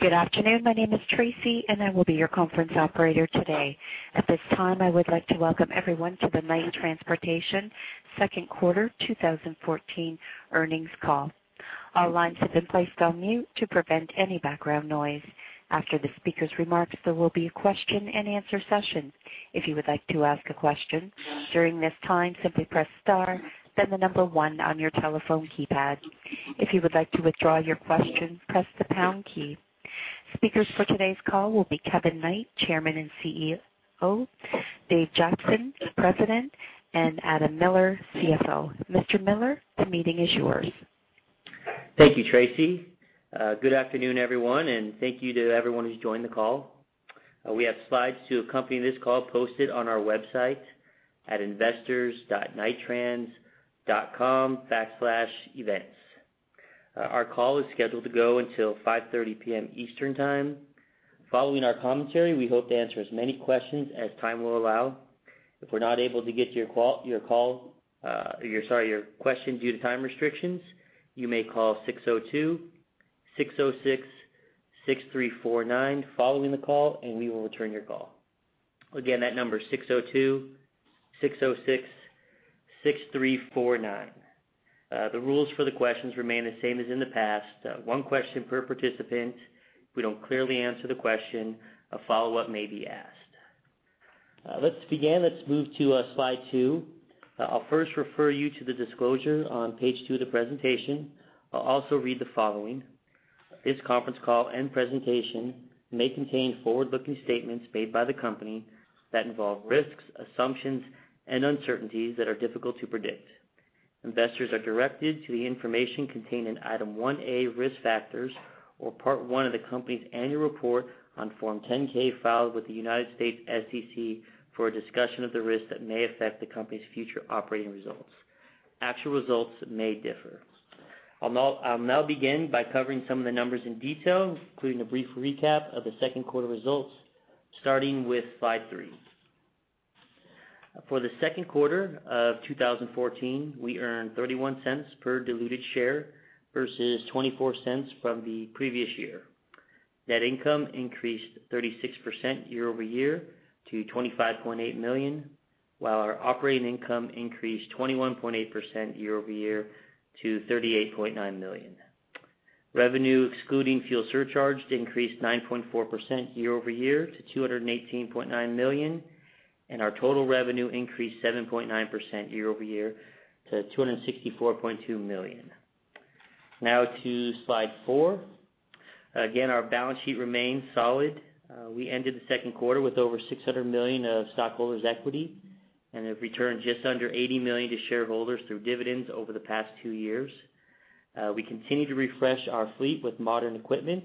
Good afternoon. My name is Tracy, and I will be your conference operator today. At this time, I would like to welcome everyone to the Knight Transportation Second Quarter 2014 Earnings Call. All lines have been placed on mute to prevent any background noise. After the speaker's remarks, there will be a question-and-answer session. If you would like to ask a question during this time, simply press star, then the number one on your telephone keypad. If you would like to withdraw your question, press the pound key. Speakers for today's call will be Kevin Knight, Chairman and CEO, Dave Jackson, President, and Adam Miller, CFO. Mr. Miller, the meeting is yours. Thank you, Tracy. Good afternoon, everyone, and thank you to everyone who's joined the call. We have slides to accompany this call posted on our website at investors.knighttrans.com/events. Our call is scheduled to go until 5:30 P.M. Eastern Time. Following our commentary, we hope to answer as many questions as time will allow. If we're not able to get to your question due to time restrictions, you may call 602-606-6349 following the call, and we will return your call. Again, that number is 602-606-6349. The rules for the questions remain the same as in the past. One question per participant. If we don't clearly answer the question, a follow-up may be asked. Let's begin. Let's move to slide two. I'll first refer you to the disclosure on page two of the presentation. I'll also read the following: This conference call and presentation may contain forward-looking statements made by the company that involve risks, assumptions, and uncertainties that are difficult to predict. Investors are directed to the information contained in Item 1A, Risk Factors, or Part I of the company's Annual Report on Form 10-K, filed with the United States SEC for a discussion of the risks that may affect the company's future operating results. Actual results may differ. I'll now begin by covering some of the numbers in detail, including a brief recap of the second quarter results, starting with slide three. For the second quarter of 2014, we earned $0.31 per diluted share versus $0.24 from the previous year. Net income increased 36% year-over-year to $25.8 million, while our operating income increased 21.8% year-over-year to $38.9 million. Revenue, excluding fuel surcharge, increased 9.4% year-over-year to $218.9 million, and our total revenue increased 7.9% year-over-year to $264.2 million. Now to slide four. Again, our balance sheet remains solid. We ended the second quarter with over 600 million of stockholders' equity, and have returned just under 80 million to shareholders through dividends over the past two years. We continue to refresh our fleet with modern equipment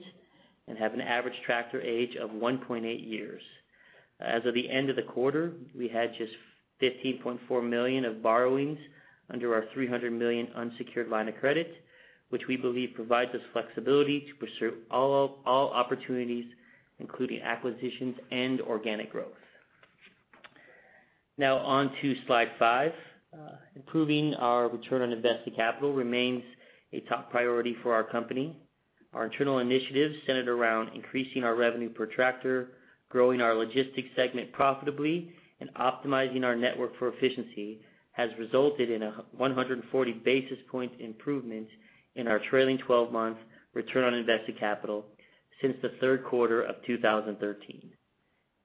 and have an average tractor age of 1.8 years. As of the end of the quarter, we had just $15.4 million of borrowings under our $300 million unsecured line of credit, which we believe provides us flexibility to pursue all opportunities, including acquisitions and organic growth. Now on to slide five. Improving our return on invested capital remains a top priority for our company. Our internal initiatives, centered around increasing our revenue per tractor, growing our logistics segment profitably, and optimizing our network for efficiency, has resulted in a 140 basis point improvement in our trailing twelve-month return on invested capital since the third quarter of 2013.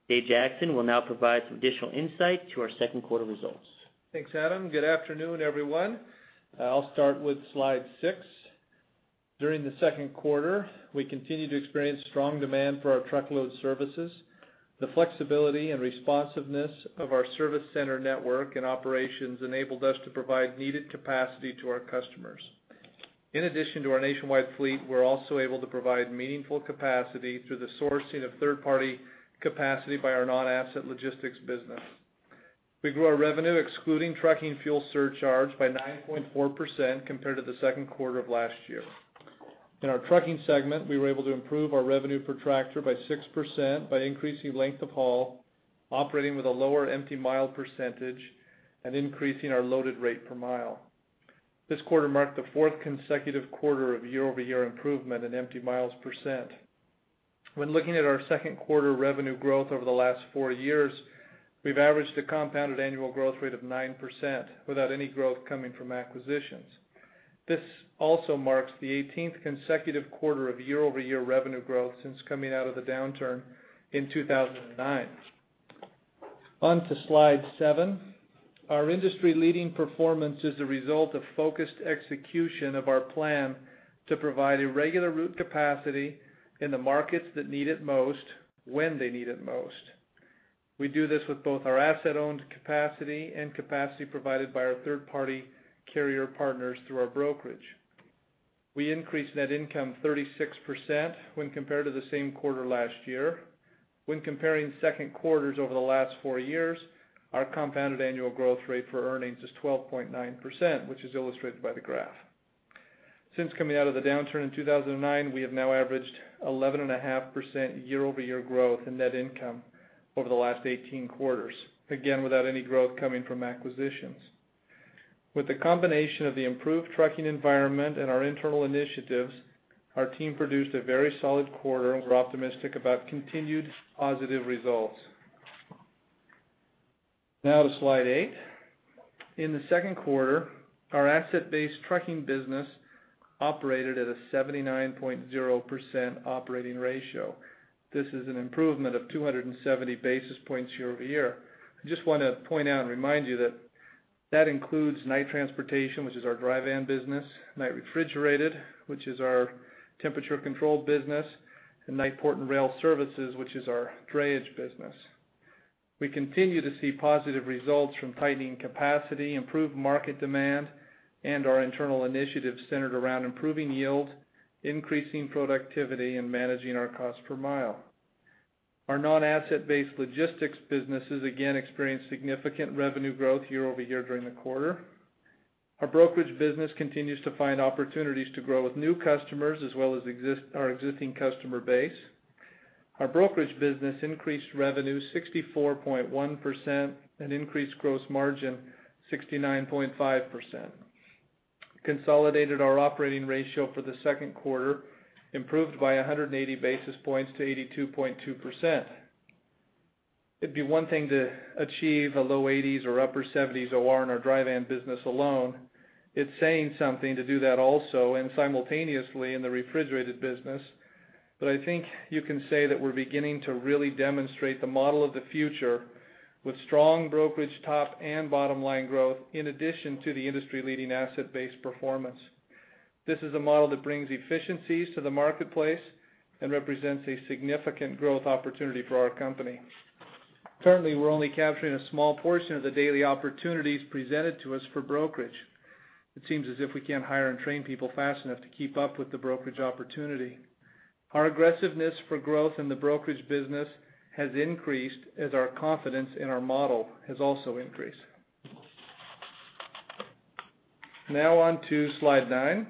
Dave Jackson will now provide some additional insight to our second quarter results. Thanks, Adam. Good afternoon, everyone. I'll start with slide six. During the second quarter, we continued to experience strong demand for our truckload services. The flexibility and responsiveness of our service center network and operations enabled us to provide needed capacity to our customers. In addition to our nationwide fleet, we're also able to provide meaningful capacity through the sourcing of third-party capacity by our non-asset logistics business. We grew our revenue, excluding trucking fuel surcharge, by 9.4% compared to the second quarter of last year. In our trucking segment, we were able to improve our revenue per tractor by 6% by increasing length of haul, operating with a lower empty mile percentage, and increasing our loaded rate per mile. This quarter marked the fourth consecutive quarter of year-over-year improvement in empty miles percent. When looking at our second quarter revenue growth over the last four years, we've averaged a compounded annual growth rate of 9% without any growth coming from acquisitions. This also marks the eighteenth consecutive quarter of year-over-year revenue growth since coming out of the downturn in 2009. On to slide seven. Our industry-leading performance is a result of focused execution of our plan to provide an irregular route capacity in the markets that need it most, when they need it most. We do this with both our asset-owned capacity and capacity provided by our third-party carrier partners through our brokerage. We increased net income 36% when compared to the same quarter last year. When comparing second quarters over the last four years, our compounded annual growth rate for earnings is 12.9%, which is illustrated by the graph. Since coming out of the downturn in 2009, we have now averaged 11.5% year-over-year growth in net income over the last 18 quarters, again, without any growth coming from acquisitions. With the combination of the improved trucking environment and our internal initiatives, our team produced a very solid quarter, and we're optimistic about continued positive results. Now to slide eight. In the second quarter, our asset-based trucking business operated at a 79.0% operating ratio. This is an improvement of 270 basis points year-over-year. I just want to point out and remind you that that includes Knight Transportation, which is our dry van business, Knight Refrigerated, which is our temperature-controlled business, and Knight Port and Rail Services, which is our drayage business. We continue to see positive results from tightening capacity, improved market demand, and our internal initiatives centered around improving yield, increasing productivity, and managing our cost per mile. Our non-asset-based logistics businesses again experienced significant revenue growth year-over-year during the quarter. Our brokerage business continues to find opportunities to grow with new customers as well as our existing customer base. Our brokerage business increased revenue 64.1% and increased gross margin 69.5%. Consolidated, our operating ratio for the second quarter improved by 180 basis points to 82.2%. It'd be one thing to achieve a low 80s or upper 70s OR in our dry van business alone. It's saying something to do that also and simultaneously in the refrigerated business. But I think you can say that we're beginning to really demonstrate the model of the future with strong brokerage top and bottom-line growth, in addition to the industry-leading asset-based performance. This is a model that brings efficiencies to the marketplace and represents a significant growth opportunity for our company. Currently, we're only capturing a small portion of the daily opportunities presented to us for brokerage. It seems as if we can't hire and train people fast enough to keep up with the brokerage opportunity. Our aggressiveness for growth in the brokerage business has increased as our confidence in our model has also increased. Now on to slide nine.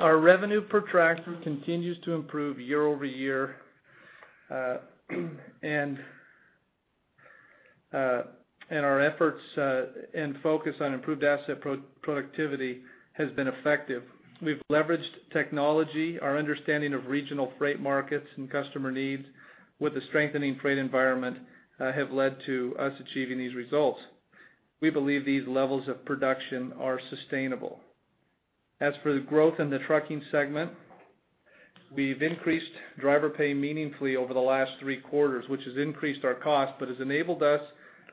Our revenue per tractor continues to improve year-over-year, and our efforts and focus on improved asset productivity has been effective. We've leveraged technology, our understanding of regional freight markets and customer needs with the strengthening freight environment, have led to us achieving these results. We believe these levels of production are sustainable. As for the growth in the trucking segment, we've increased driver pay meaningfully over the last three quarters, which has increased our cost but has enabled us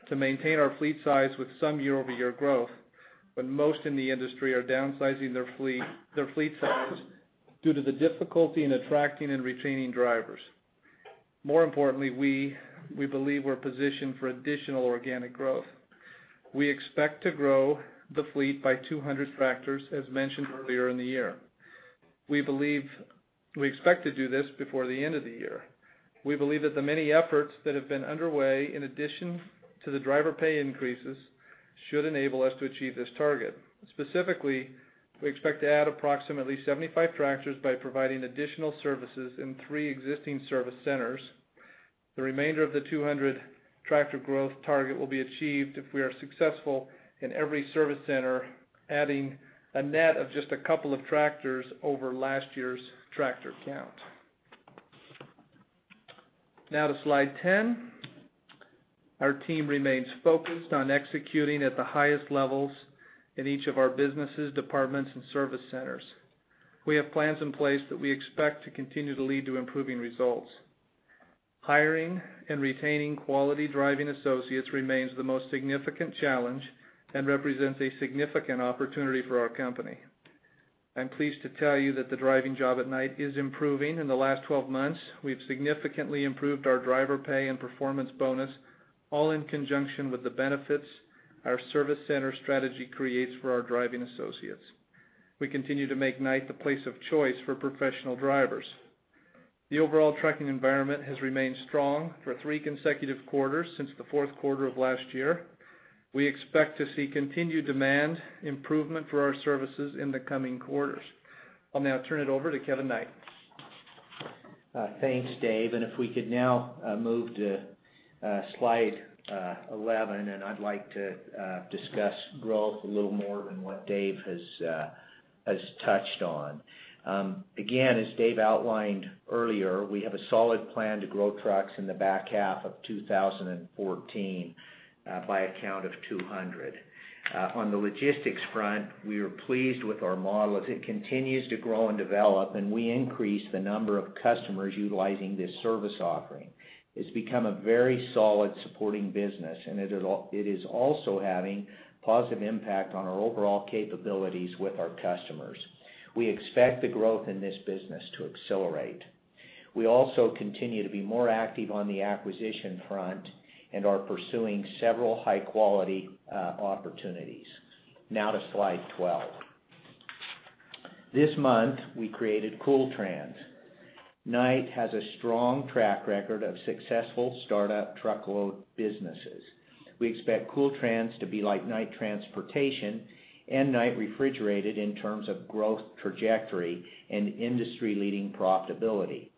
to maintain our fleet size with some year-over-year growth, when most in the industry are downsizing their fleet size due to the difficulty in attracting and retaining drivers. More importantly, we believe we're positioned for additional organic growth. We expect to grow the fleet by 200 tractors, as mentioned earlier in the year. We believe we expect to do this before the end of the year. We believe that the many efforts that have been underway, in addition to the driver pay increases, should enable us to achieve this target. Specifically, we expect to add approximately 75 tractors by providing additional services in three existing service centers. The remainder of the 200 tractor growth target will be achieved if we are successful in every service center, adding a net of just a couple of tractors over last year's tractor count. Now to slide 10. Our team remains focused on executing at the highest levels in each of our businesses, departments, and service centers. We have plans in place that we expect to continue to lead to improving results. Hiring and retaining quality driving associates remains the most significant challenge and represents a significant opportunity for our company. I'm pleased to tell you that the driving job at Knight is improving. In the last 12 months, we've significantly improved our driver pay and performance bonus, all in conjunction with the benefits our service center strategy creates for our driving associates. We continue to make Knight the place of choice for professional drivers. The overall trucking environment has remained strong for three consecutive quarters since the fourth quarter of last year. We expect to see continued demand improvement for our services in the coming quarters. I'll now turn it over to Kevin Knight. Thanks, Dave. If we could now move to slide 11, and I'd like to discuss growth a little more than what Dave has touched on. Again, as Dave outlined earlier, we have a solid plan to grow trucks in the back half of 2014 by a count of 200. On the logistics front, we are pleased with our model, as it continues to grow and develop, and we increase the number of customers utilizing this service offering. It's become a very solid supporting business, and it is also having positive impact on our overall capabilities with our customers. We expect the growth in this business to accelerate. We also continue to be more active on the acquisition front and are pursuing several high-quality opportunities. Now to slide 12. This month, we created Kool Trans. Knight has a strong track record of successful startup truckload businesses. We expect Kool Trans to be like Knight Transportation and Knight Refrigerated in terms of growth trajectory and industry-leading profitability.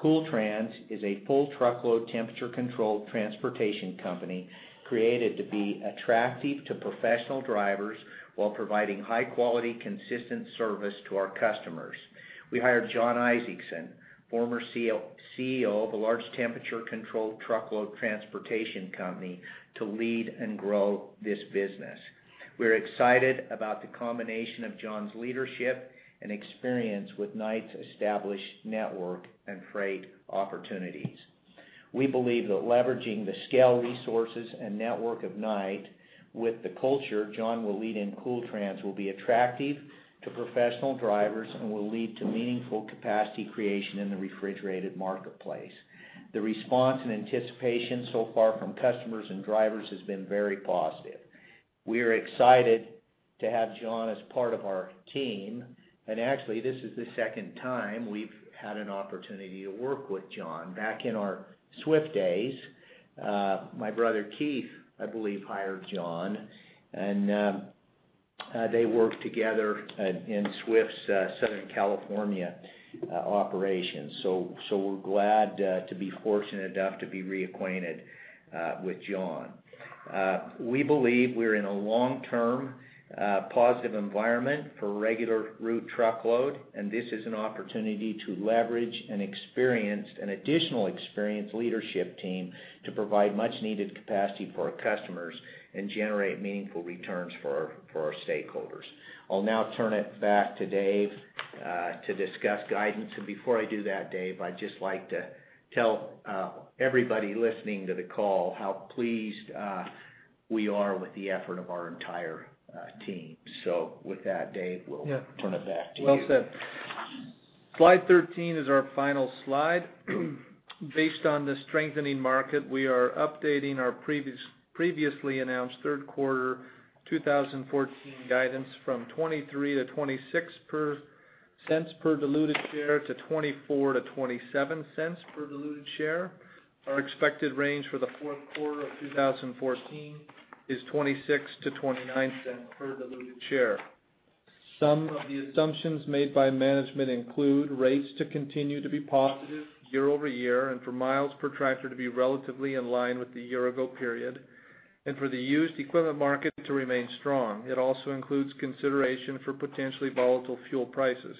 Kool Trans is a full truckload, temperature-controlled transportation company created to be attractive to professional drivers while providing high-quality, consistent service to our customers. We hired Jon Isaacson, former CEO, CEO of a large temperature-controlled truckload transportation company, to lead and grow this business. We're excited about the combination of Jon's leadership and experience with Knight's established network and freight opportunities. We believe that leveraging the scale, resources, and network of Knight with the culture Jon will lead in Kool Trans, will be attractive to professional drivers and will lead to meaningful capacity creation in the refrigerated marketplace. The response and anticipation so far from customers and drivers has been very positive. We are excited to have Jon as part of our team, and actually, this is the second time we've had an opportunity to work with Jon. Back in our Swift days, my brother, Keith, I believe, hired Jon, and they worked together in Swift's Southern California operations. We're glad to be fortunate enough to be reacquainted with Jon. We believe we're in a long-term positive environment for irregular route truckload, and this is an opportunity to leverage an experienced an additional experienced leadership team to provide much-needed capacity for our customers and generate meaningful returns for our stakeholders. I'll now turn it back to Dave to discuss guidance. Before I do that, Dave, I'd just like to tell everybody listening to the call how pleased we are with the effort of our entire team. With that, Dave, we'll- Yeah. Turn it back to you. Well said. slide 13 is our final slide. Based on the strengthening market, we are updating our previous, previously announced third quarter 2014 guidance from $0.23-$0.26 per diluted share to $0.24-$0.27 per diluted share. Our expected range for the fourth quarter of 2014 is $0.26-$0.29 per diluted share. Some of the assumptions made by management include rates to continue to be positive year-over-year, and for miles per tractor to be relatively in line with the year-ago period, and for the used equipment market to remain strong. It also includes consideration for potentially volatile fuel prices.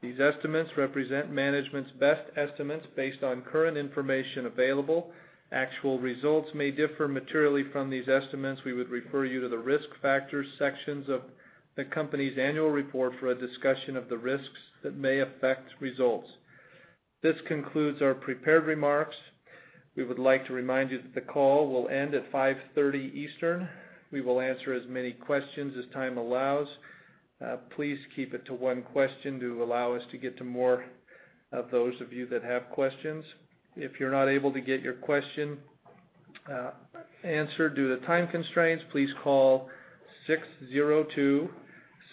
These estimates represent management's best estimates based on current information available. Actual results may differ materially from these estimates. We would refer you to the Risk Factors sections of the company's annual report for a discussion of the risks that may affect results. This concludes our prepared remarks. We would like to remind you that the call will end at 5:30 Eastern. We will answer as many questions as time allows. Please keep it to one question to allow us to get to more of those of you that have questions. If you're not able to get your question answered due to time constraints, please call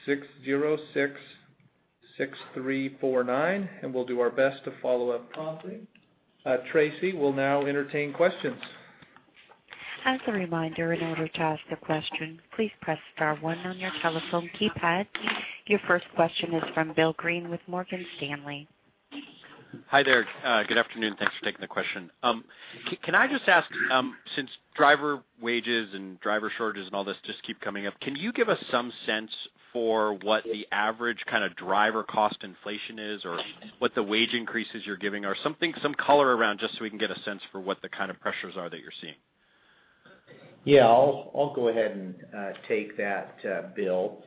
602-606-6349, and we'll do our best to follow up promptly. Tracy, we'll now entertain questions. As a reminder, in order to ask a question, please press star one on your telephone keypad. Your first question is from Bill Greene with Morgan Stanley. Hi there. Good afternoon. Thanks for taking the question. Can I just ask, since driver wages and driver shortages and all this just keep coming up, can you give us some sense for what the average kind of driver cost inflation is, or what the wage increases you're giving, or something, some color around, just so we can get a sense for what the kind of pressures are that you're seeing? Yeah, I'll go ahead and take that, Bill.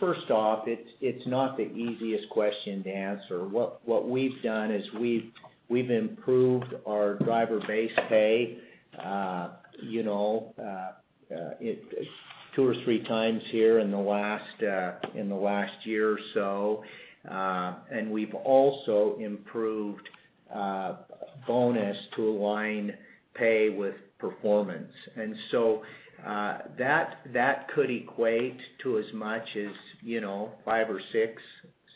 First off, it's not the easiest question to answer. What we've done is we've improved our driver base pay, you know, 2x or 3x here in the last year or so. And we've also improved bonus to align pay with performance. And so, that could equate to as much as, you know, $0.05 or $0.06,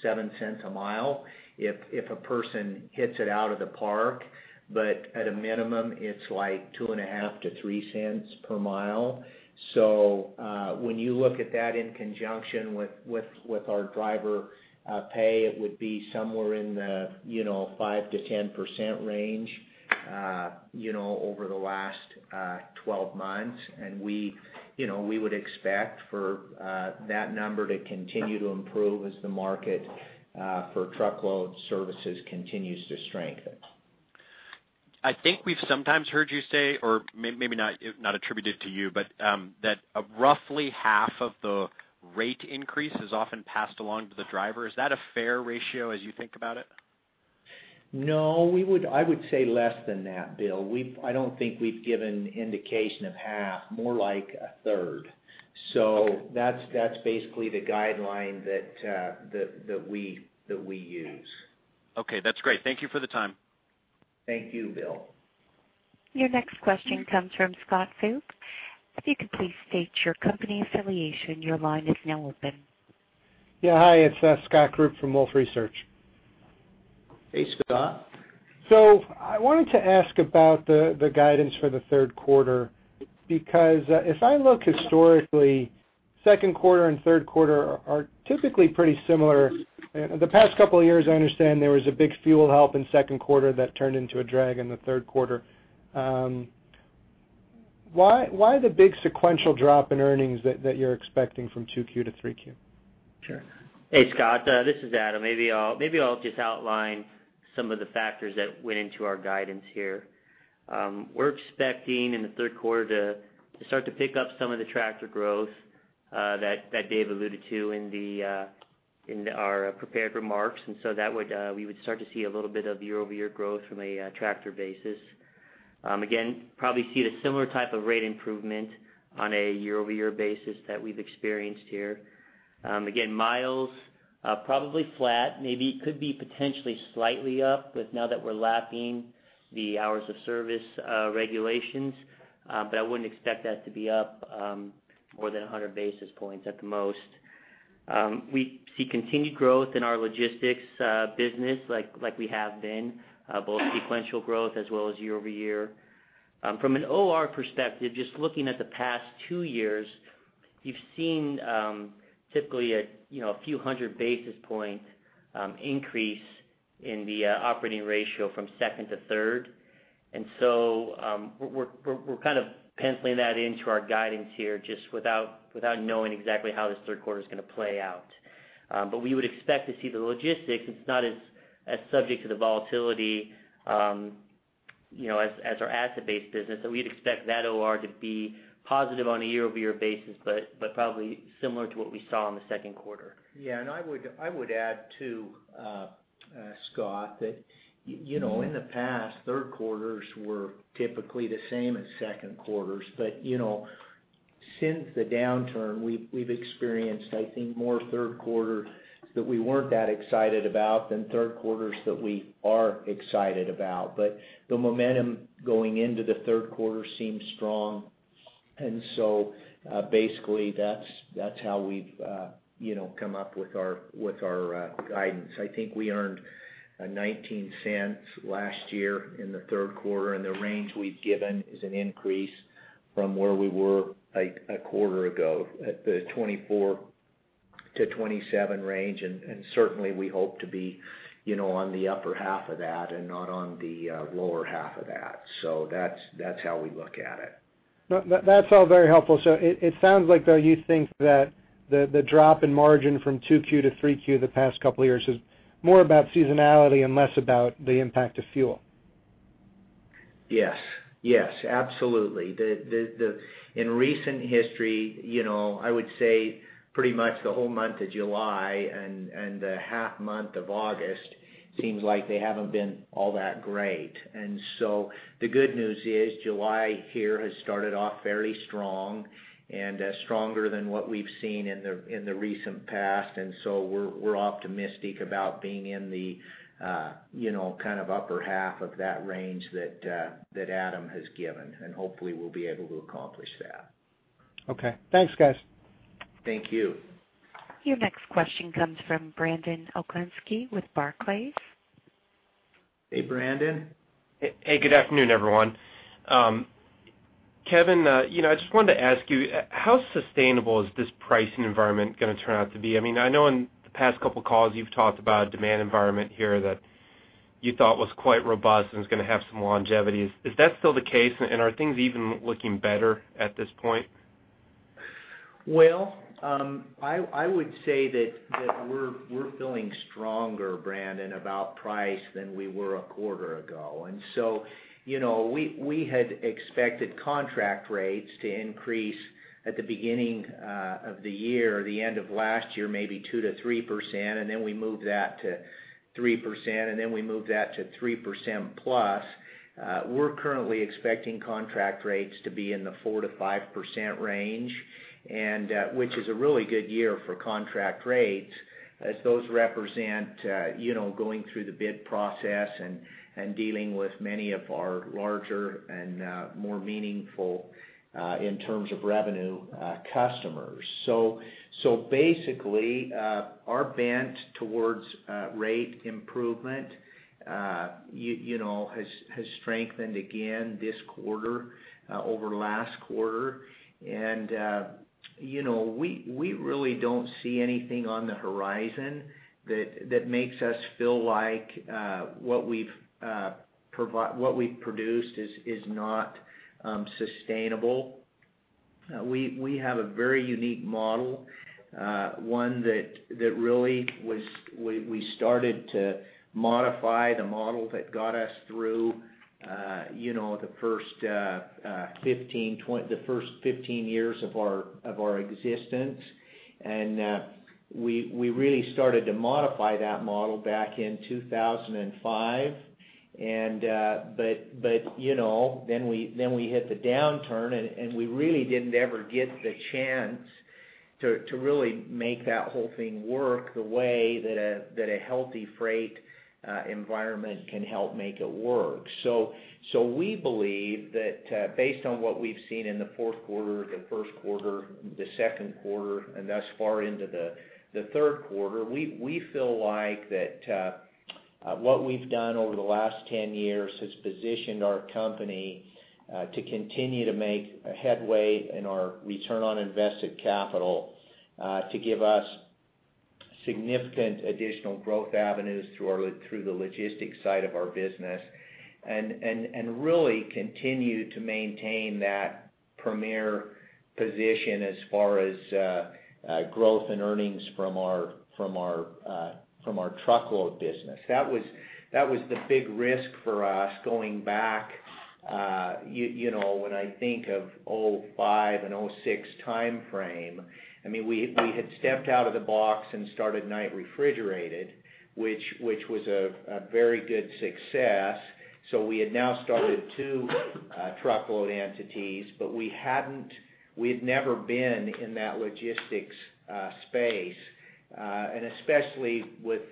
$0.07 a mile if a person hits it out of the park, but at a minimum, it's like $0.025-$0.03 per mile. So, when you look at that in conjunction with our driver pay, it would be somewhere in the, you know, 5%-10% range, you know, over the last 12 months. We, you know, we would expect for that number to continue to improve as the market for truckload services continues to strengthen. I think we've sometimes heard you say, or maybe not, not attributed to you, but that roughly half of the rate increase is often passed along to the driver. Is that a fair ratio as you think about it? No, we would, I would say less than that, Bill. We've, I don't think we've given indication of half, more like a third. So that's basically the guideline that we use. Okay, that's great. Thank you for the time. Thank you, Bill. Your next question comes from Scott Group. If you could please state your company affiliation, your line is now open. Yeah. Hi, it's Scott Group from Wolfe Research. Hey, Scott. So I wanted to ask about the guidance for the third quarter, because if I look historically, second quarter and third quarter are typically pretty similar. And the past couple of years, I understand there was a big fuel hedge in second quarter that turned into a drag in the third quarter. Why the big sequential drop in earnings that you're expecting from 2Q to 3Q? Sure. Hey, Scott, this is Adam. Maybe I'll just outline some of the factors that went into our guidance here. We're expecting in the third quarter to start to pick up some of the tractor growth that Dave alluded to in our prepared remarks, and so that would, we would start to see a little bit of year-over-year growth from a tractor basis. Again, probably see a similar type of rate improvement on a year-over-year basis that we've experienced here. Again, miles probably flat, maybe could be potentially slightly up, but now that we're lapping the hours of service regulations, but I wouldn't expect that to be up more than 100 basis points at the most. We see continued growth in our logistics business, like we have been, both sequential growth as well as year-over-year. From an OR perspective, just looking at the past 2 years, you've seen typically a, you know, a few hundred basis points increase in the operating ratio from second to third. So, we're kind of penciling that into our guidance here, just without knowing exactly how this third quarter is gonna play out. But we would expect to see the logistics. It's not as subject to the volatility, you know, as our asset-based business, so we'd expect that OR to be positive on a year-over-year basis, but probably similar to what we saw in the second quarter. Yeah, and I would, I would add, too, Scott, that, you, you know, in the past, third quarters were typically the same as second quarters. But, you know, since the downturn, we've experienced, I think, more third quarter that we weren't that excited about than third quarters that we are excited about. But the momentum going into the third quarter seems strong. And so, basically, that's how we've, you know, come up with our guidance. I think we earned $0.19 last year in the third quarter, and the range we've given is an increase from where we were like a quarter ago, at the $0.24-$0.27 range. And certainly, we hope to be, you know, on the upper half of that and not on the lower half of that. So that's how we look at it. That, that's all very helpful. So it sounds like, though, you think that the drop in margin from 2Q to 3Q the past couple of years is more about seasonality and less about the impact of fuel. Yes. Yes, absolutely. In recent history, you know, I would say pretty much the whole month of July and the half month of August seems like they haven't been all that great. And so the good news is July here has started off fairly strong and stronger than what we've seen in the recent past. And so we're optimistic about being in the, you know, kind of upper half of that range that Adam has given, and hopefully we'll be able to accomplish that. Okay. Thanks, guys. Thank you. Your next question comes from Brandon Oglenski with Barclays. Hey, Brandon. Hey, good afternoon, everyone. Kevin, you know, I just wanted to ask you, how sustainable is this pricing environment gonna turn out to be? I mean, I know in the past couple calls, you've talked about a demand environment here that you thought was quite robust and is gonna have some longevity. Is that still the case, and are things even looking better at this point? Well, I would say that we're feeling stronger, Brandon, about price than we were a quarter ago. And so, you know, we had expected contract rates to increase at the beginning of the year, the end of last year, maybe 2%-3%, and then we moved that to 3%, and then we moved that to 3%+. We're currently expecting contract rates to be in the 4%-5% range, and which is a really good year for contract rates, as those represent, you know, going through the bid process and dealing with many of our larger and more meaningful, in terms of revenue, customers. So basically, our bent towards rate improvement, you know, has strengthened again this quarter over last quarter. You know, we really don't see anything on the horizon that makes us feel like what we've produced is not sustainable. We have a very unique model, one that really was... We started to modify the model that got us through, you know, the first 15, 20, the first 15 years of our existence. We really started to modify that model back in 2005. But you know, then we hit the downturn, and we really didn't ever get the chance to really make that whole thing work the way that a healthy freight environment can help make it work. So we believe that, based on what we've seen in the fourth quarter, the first quarter, the second quarter, and thus far into the third quarter, we feel like that, what we've done over the last 10 years has positioned our company to continue to make a headway in our return on invested capital, to give us significant additional growth avenues through the logistics side of our business, and really continue to maintain that premier position as far as growth and earnings from our truckload business. That was the big risk for us going back, you know, when I think of 2005 and 2006 timeframe, I mean, we had stepped out of the box and started Knight Refrigerated, which was a very good success. So we had now started two truckload entities, but we'd never been in that logistics space, and especially with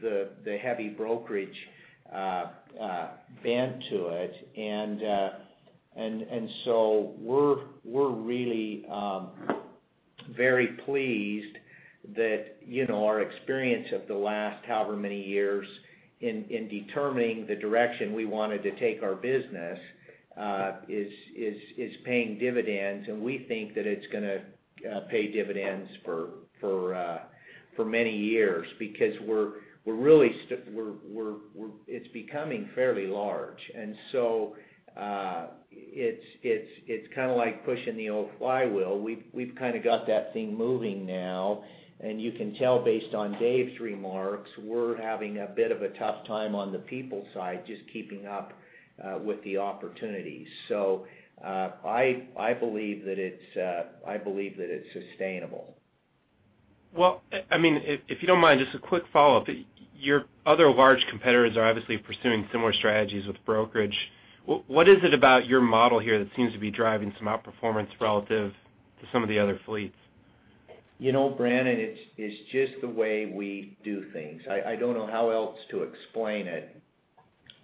the heavy brokerage bent to it. And so we're really very pleased that, you know, our experience of the last however many years in determining the direction we wanted to take our business is paying dividends, and we think that it's gonna pay dividends for many years because we're really, we're, it's becoming fairly large. And so it's kind of like pushing the old flywheel. We've kind of got that thing moving now, and you can tell based on Dave's remarks, we're having a bit of a tough time on the people side, just keeping up with the opportunities. So, I believe that it's sustainable. Well, I mean, if you don't mind, just a quick follow-up. Your other large competitors are obviously pursuing similar strategies with brokerage. What is it about your model here that seems to be driving some outperformance relative to some of the other fleets? You know, Brandon, it's just the way we do things. I don't know how else to explain it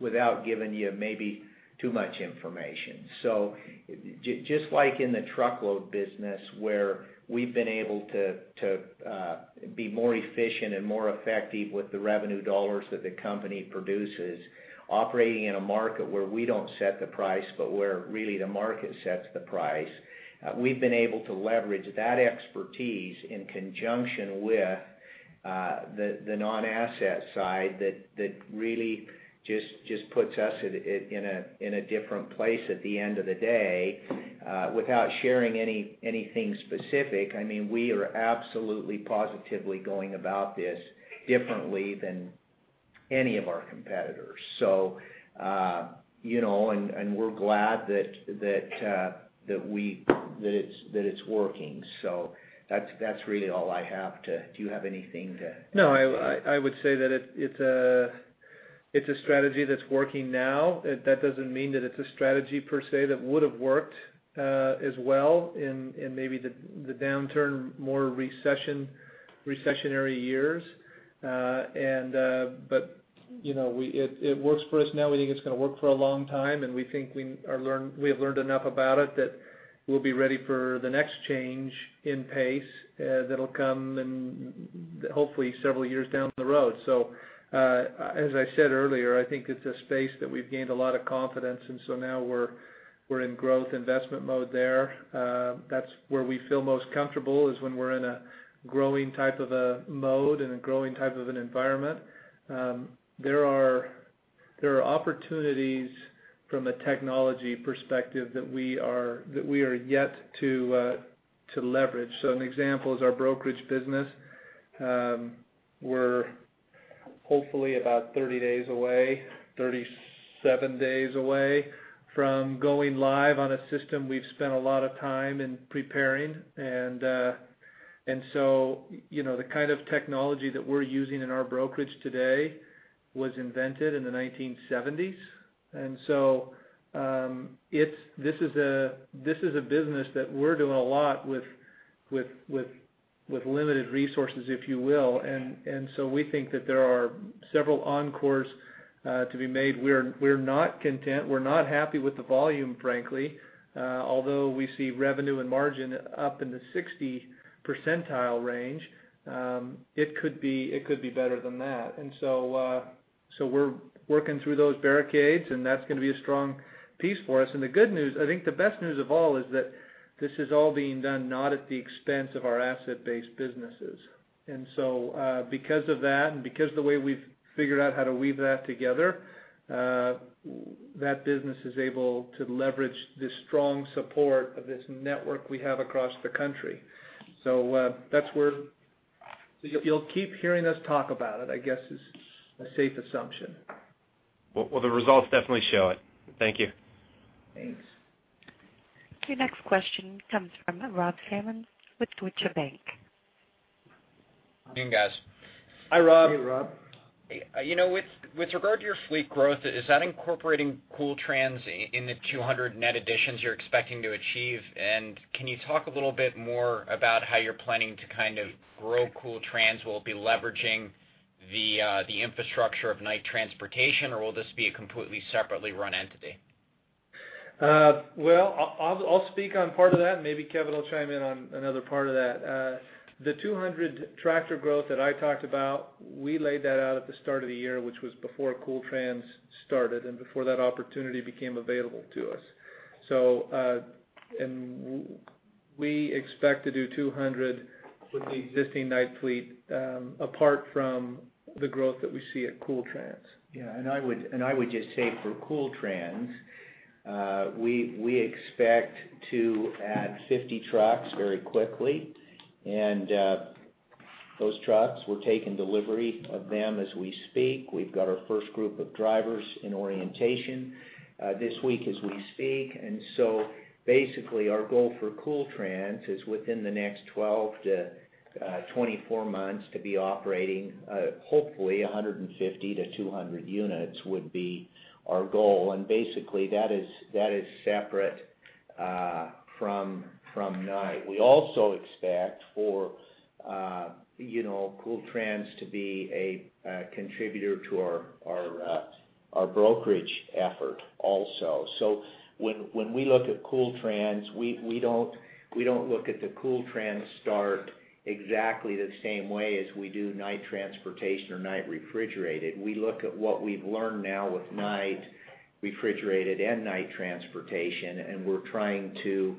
without giving you maybe too much information. So just like in the truckload business, where we've been able to be more efficient and more effective with the revenue dollars that the company produces, operating in a market where we don't set the price, but where really the market sets the price, we've been able to leverage that expertise in conjunction with the non-asset side that really just puts us at, in a different place at the end of the day. Without sharing anything specific, I mean, we are absolutely, positively going about this differently than any of our competitors. So, you know, and we're glad that that it's working. So that's, that's really all I have to... Do you have anything to add? No, I would say that it's a strategy that's working now. That doesn't mean that it's a strategy per se, that would have worked as well in maybe the downturn, more recessionary years. But, you know, it works for us now. We think it's gonna work for a long time, and we think we have learned enough about it, that we'll be ready for the next change in pace, that'll come in hopefully several years down the road. So, as I said earlier, I think it's a space that we've gained a lot of confidence, and so now we're in growth investment mode there. That's where we feel most comfortable, is when we're in a growing type of a mode and a growing type of an environment. There are opportunities from a technology perspective that we are yet to leverage. So an example is our brokerage business. We're hopefully about 30 days away, 37 days away, from going live on a system we've spent a lot of time in preparing. And so, you know, the kind of technology that we're using in our brokerage today was invented in the 1970s. And so, it's a business that we're doing a lot with limited resources, if you will. And so we think that there are several inroads to be made. We're not content, we're not happy with the volume, frankly, although we see revenue and margin up in the 60 percentile range, it could be better than that. And so, we're working through those barricades, and that's gonna be a strong piece for us. And the good news, I think the best news of all is that this is all being done not at the expense of our asset-based businesses. And so, because of that and because the way we've figured out how to weave that together, that business is able to leverage the strong support of this network we have across the country. So, that's where... You'll, you'll keep hearing us talk about it, I guess, is a safe assumption. Well, well, the results definitely show it. Thank you. Thanks. Your next question comes from Rob Salmon with Deutsche Bank. Good evening, guys. Hi, Rob. Hey, Rob. You know, with, with regard to your fleet growth, is that incorporating Kool Trans in, in the 200 net additions you're expecting to achieve? And can you talk a little bit more about how you're planning to kind of grow Kool Trans? Will it be leveraging the, the infrastructure of Knight Transportation, or will this be a completely separately run entity?... Well, I'll speak on part of that, and maybe Kevin will chime in on another part of that. The 200 tractor growth that I talked about, we laid that out at the start of the year, which was before Kool Trans started and before that opportunity became available to us. We expect to do 200 with the existing Knight fleet, apart from the growth that we see at Kool Trans. Yeah, and I would just say for Kool Trans, we expect to add 50 trucks very quickly, and those trucks, we're taking delivery of them as we speak. We've got our first group of drivers in orientation this week as we speak. And so basically, our goal for Kool Trans is within the next 12 to 24 months to be operating, hopefully, 150 to 200 units would be our goal. And basically, that is separate from Knight. We also expect for you know, Kool Trans to be a contributor to our brokerage effort also. So when we look at Kool Trans, we don't look at the Kool Trans start exactly the same way as we do Knight Transportation or Knight Refrigerated. We look at what we've learned now with Knight Refrigerated and Knight Transportation, and we're trying to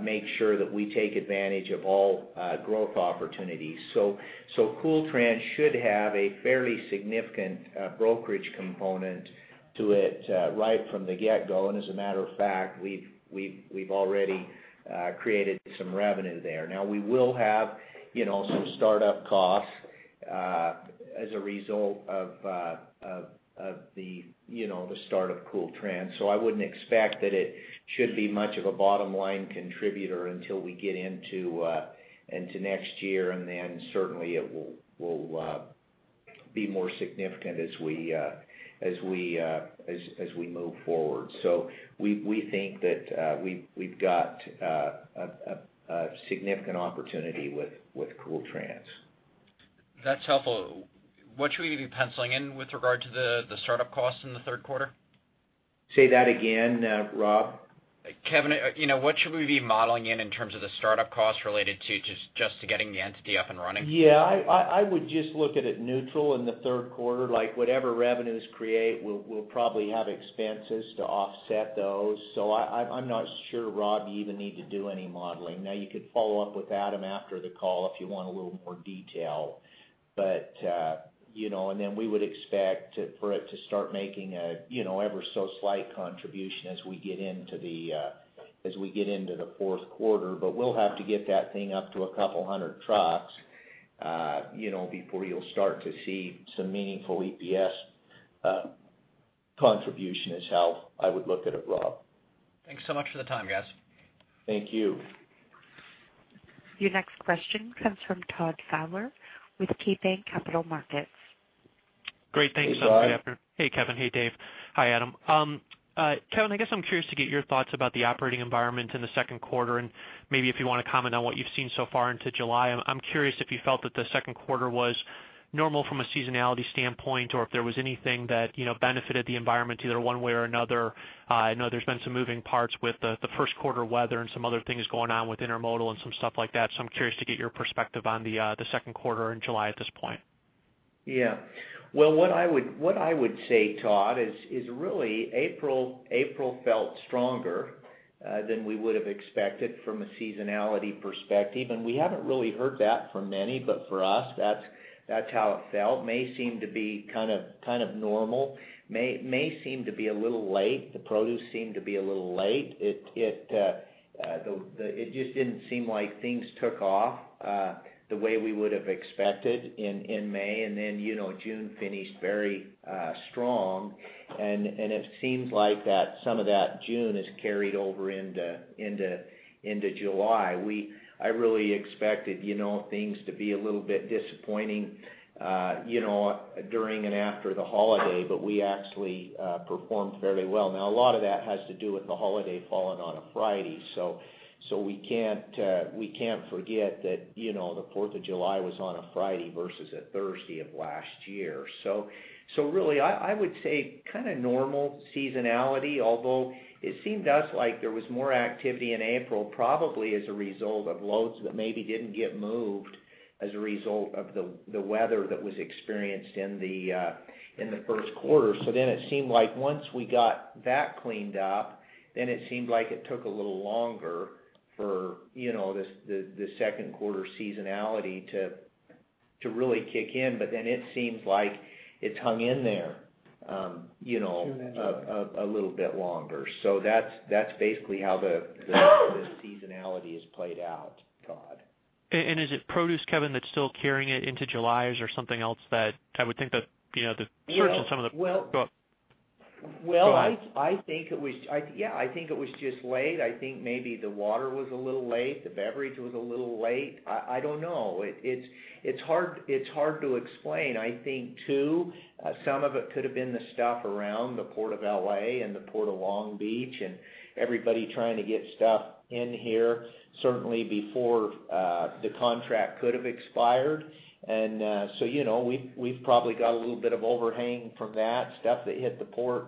make sure that we take advantage of all growth opportunities. So Kool Trans should have a fairly significant brokerage component to it right from the get-go. And as a matter of fact, we've already created some revenue there. Now we will have, you know, some startup costs as a result of the start of Kool Trans. So I wouldn't expect that it should be much of a bottom-line contributor until we get into next year, and then certainly it will be more significant as we move forward. So we think that we've got a significant opportunity with Kool Trans. That's helpful. What should we be penciling in with regard to the startup costs in the third quarter? Say that again, Rob. Kevin, you know, what should we be modeling in terms of the startup costs related to just to getting the entity up and running? Yeah, I would just look at it neutral in the third quarter, like whatever revenues create, we'll probably have expenses to offset those. So I'm not sure, Rob, you even need to do any modeling. Now, you could follow up with Adam after the call if you want a little more detail. But you know, and then we would expect for it to start making a you know, ever so slight contribution as we get into the fourth quarter. But we'll have to get that thing up to a couple hundred trucks you know, before you'll start to see some meaningful EPS contribution is how I would look at it, Rob. Thanks so much for the time, guys. Thank you. Your next question comes from Todd Fowler with KeyBanc Capital Markets. Great. Thanks so much. Hey, Todd. Hey, Kevin. Hey, Dave. Hi, Adam. Kevin, I guess I'm curious to get your thoughts about the operating environment in the second quarter, and maybe if you want to comment on what you've seen so far into July. I'm curious if you felt that the second quarter was normal from a seasonality standpoint, or if there was anything that, you know, benefited the environment either one way or another. I know there's been some moving parts with the first quarter weather and some other things going on with intermodal and some stuff like that, so I'm curious to get your perspective on the second quarter in July at this point. Yeah. Well, what I would say, Todd, is really April felt stronger than we would have expected from a seasonality perspective, and we haven't really heard that from many, but for us, that's how it felt. May seemed to be kind of normal. May seemed to be a little late. The produce seemed to be a little late. It just didn't seem like things took off the way we would have expected in May, and then, you know, June finished very strong. And it seems like that some of that June has carried over into July. I really expected, you know, things to be a little bit disappointing during and after the holiday, but we actually performed fairly well. Now, a lot of that has to do with the holiday falling on a Friday, so, so we can't, we can't forget that, you know, the Fourth of July was on a Friday versus a Thursday of last year. So, so really, I, I would say kind of normal seasonality, although it seemed to us like there was more activity in April, probably as a result of loads that maybe didn't get moved as a result of the, the weather that was experienced in the, in the first quarter. So then it seemed like once we got that cleaned up, then it seemed like it took a little longer for, you know, this, the, the second quarter seasonality to, to really kick in. But then it seems like it's hung in there, you know, a little bit longer. So that's basically how the seasonality has played out, Todd. Is it produce, Kevin, that's still carrying it into July, or is there something else that I would think that, you know, the- Well- surge in some of the... Go ahead. ...Well, I think it was just late. I think maybe the water was a little late, the beverage was a little late. I don't know. It's hard to explain. I think, too, some of it could have been the stuff around the Port of L.A. and the Port of Long Beach, and everybody trying to get stuff in here, certainly before the contract could have expired. And so you know, we've probably got a little bit of overhang from that. Stuff that hit the port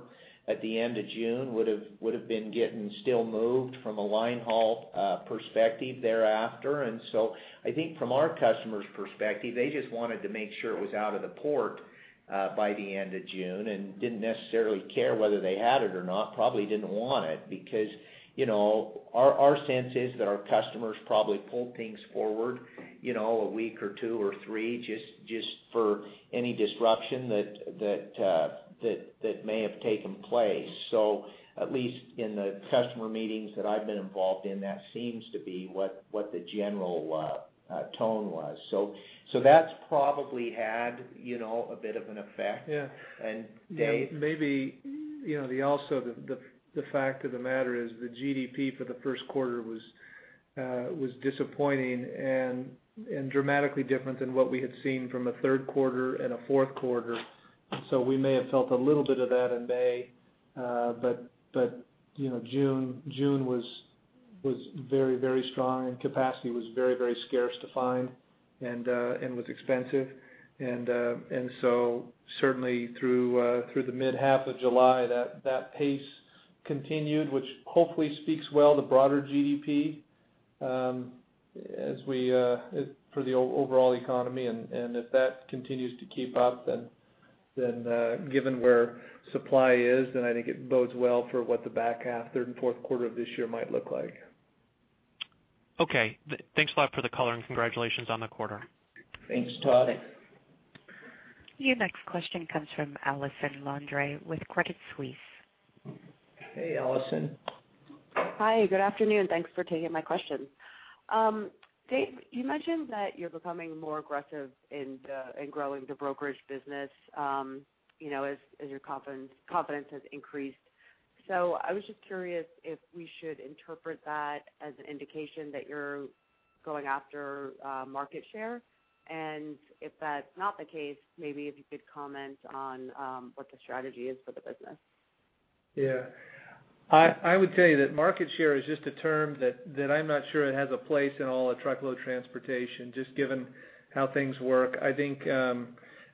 at the end of June would've been getting still moved from a line haul perspective thereafter. And so I think from our customers' perspective, they just wanted to make sure it was out of the port by the end of June, and didn't necessarily care whether they had it or not, probably didn't want it. Because, you know, our sense is that our customers probably pulled things forward, you know, a week or two or three, just for any disruption that may have taken place. So at least in the customer meetings that I've been involved in, that seems to be what the general tone was. So that's probably had, you know, a bit of an effect. Yeah. And Dave? Maybe, you know, also the fact of the matter is the GDP for the first quarter was disappointing and dramatically different than what we had seen from a third quarter and a fourth quarter. So we may have felt a little bit of that in May. But you know, June was very, very strong, and capacity was very, very scarce to find and was expensive. So certainly through the mid-half of July, that pace continued, which hopefully speaks well to broader GDP as we for the overall economy. If that continues to keep up, then given where supply is, then I think it bodes well for what the back half, third and fourth quarter of this year might look like. Okay. Thanks a lot for the color, and congratulations on the quarter. Thanks, Todd. Your next question comes from Allison Landry with Credit Suisse. Hey, Allison. Hi, good afternoon. Thanks for taking my questions. Dave, you mentioned that you're becoming more aggressive in growing the brokerage business, you know, as your confidence has increased. So I was just curious if we should interpret that as an indication that you're going after market share? And if that's not the case, maybe if you could comment on what the strategy is for the business. Yeah. I, I would tell you that market share is just a term that, that I'm not sure it has a place in all of truckload transportation, just given how things work. I think,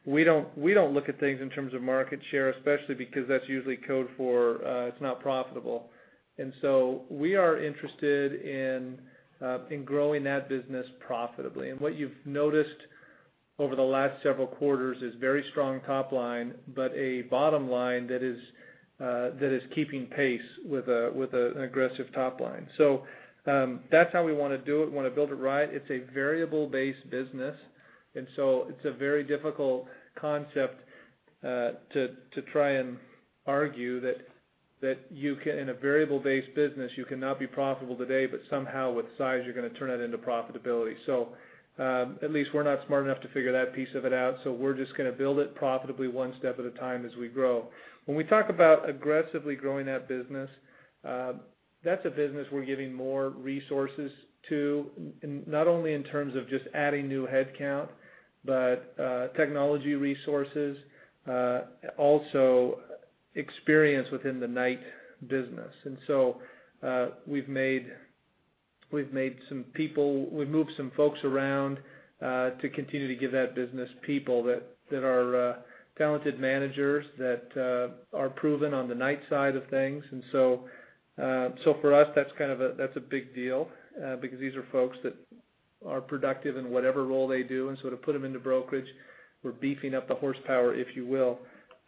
we don't, we don't look at things in terms of market share, especially because that's usually code for, it's not profitable. And so we are interested in, in growing that business profitably. And what you've noticed over the last several quarters is very strong top line, but a bottom line that is, that is keeping pace with a, with a, an aggressive top line. So, that's how we want to do it, want to build it right. It's a variable-based business, and so it's a very difficult concept to try and argue that you can, in a variable-based business, you cannot be profitable today, but somehow with size, you're gonna turn that into profitability. So, at least we're not smart enough to figure that piece of it out, so we're just gonna build it profitably one step at a time as we grow. When we talk about aggressively growing that business, that's a business we're giving more resources to, and not only in terms of just adding new headcount, but technology resources, also experience within the Knight business. And so, we've moved some folks around, to continue to give that business people that are talented managers, that are proven on the Knight side of things. So for us, that's kind of a, that's a big deal, because these are folks that are productive in whatever role they do. And so to put them into brokerage, we're beefing up the horsepower, if you will.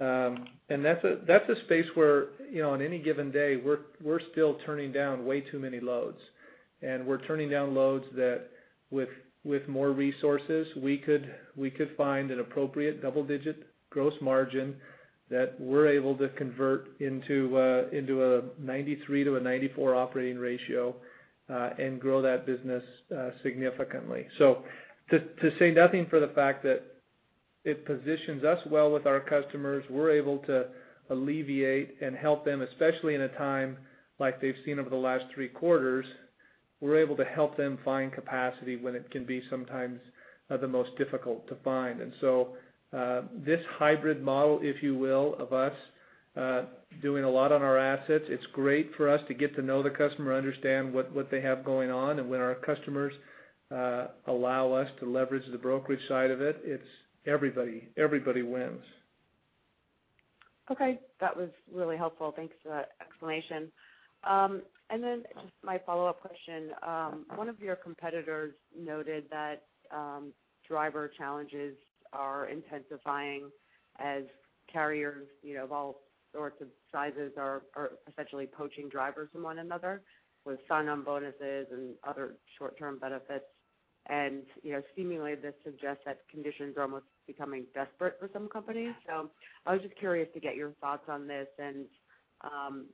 And that's a, that's a space where, you know, on any given day, we're, we're still turning down way too many loads. And we're turning down loads that, with, with more resources, we could, we could find an appropriate double-digit gross margin that we're able to convert into a, into a 93 to a 94 operating ratio, and grow that business significantly. So, to say nothing of the fact that it positions us well with our customers, we're able to alleviate and help them, especially in a time like they've seen over the last three quarters. We're able to help them find capacity when it can be sometimes the most difficult to find. And so, this hybrid model, if you will, of us doing a lot on our assets, it's great for us to get to know the customer, understand what they have going on. And when our customers allow us to leverage the brokerage side of it, it's everybody, everybody wins. Okay. That was really helpful. Thanks for that explanation. And then just my follow-up question. One of your competitors noted that, driver challenges are intensifying as carriers, you know, of all sorts of sizes are, are essentially poaching drivers from one another, with sign-on bonuses and other short-term benefits. And, you know, seemingly, this suggests that conditions are almost becoming desperate for some companies. So I was just curious to get your thoughts on this and,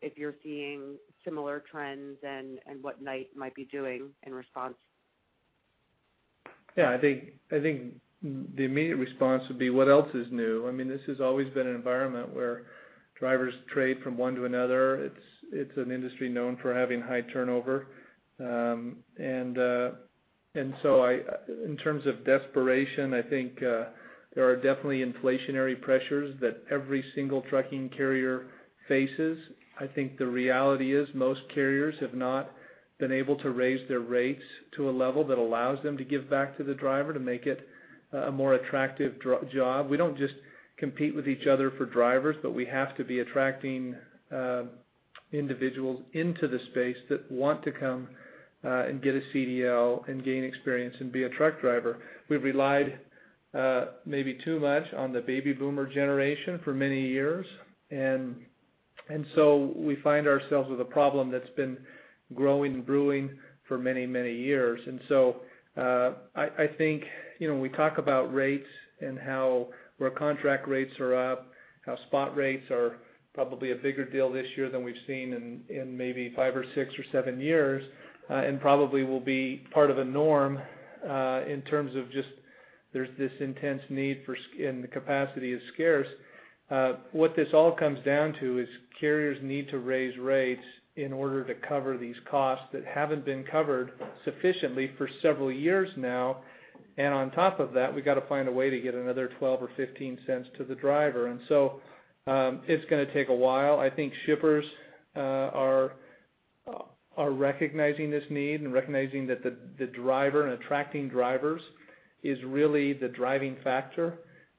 if you're seeing similar trends and, and what Knight might be doing in response?... Yeah, I think the immediate response would be, what else is new? I mean, this has always been an environment where drivers trade from one to another. It's an industry known for having high turnover. And so I, in terms of desperation, I think there are definitely inflationary pressures that every single trucking carrier faces. I think the reality is most carriers have not been able to raise their rates to a level that allows them to give back to the driver to make it a more attractive driver job. We don't just compete with each other for drivers, but we have to be attracting individuals into the space that want to come and get a CDL and gain experience and be a truck driver. We've relied maybe too much on the baby boomer generation for many years, and so we find ourselves with a problem that's been growing and brewing for many, many years. And so, I think, you know, we talk about rates and how, where contract rates are up, how spot rates are probably a bigger deal this year than we've seen in maybe 5 or 6 or 7 years, and probably will be part of a norm, in terms of just there's this intense need for and the capacity is scarce. What this all comes down to is carriers need to raise rates in order to cover these costs that haven't been covered sufficiently for several years now, and on top of that, we gotta find a way to get another $0.12 or $0.15 to the driver. It's going to take a while. I think shippers are recognizing this need and recognizing that the driver and attracting drivers is really the driving factor